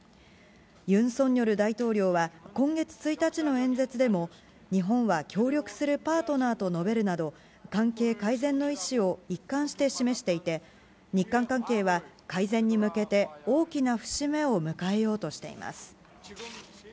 ユン・ソンニョル大統領は、今月１日の演説でも、日本は協力するパートナーと述べるなど、関係改善の意思を一貫して示していて、日韓関係は改善に向けて大きな節目を迎えようとしています。